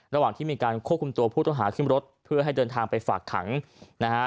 ระหว่างที่มีการควบคุมตัวผู้ต้องหาขึ้นรถเพื่อให้เดินทางไปฝากขังนะฮะ